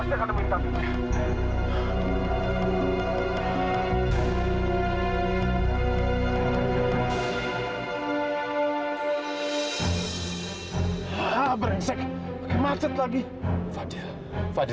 semoga semuanya baik baik saja